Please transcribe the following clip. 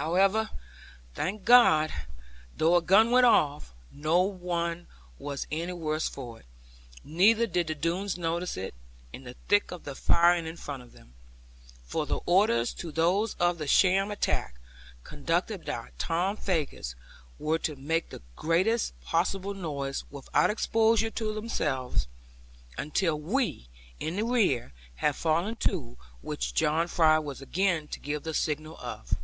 However, thank God, though a gun went off, no one was any the worse for it, neither did the Doones notice it, in the thick of the firing in front of them. For the orders to those of the sham attack, conducted by Tom Faggus, were to make the greatest possible noise, without exposure of themselves; until we, in the rear, had fallen to; which John Fry was again to give the signal of.